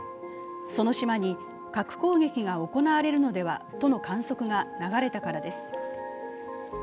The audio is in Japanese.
その島に核攻撃が行われるのではとの観測が流れたからです。